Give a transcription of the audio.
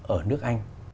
ở nước anh